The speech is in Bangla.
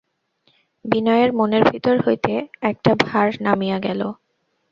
বিনয়ের মনের ভিতর হইতে একটা ভার নামিয়া গেল।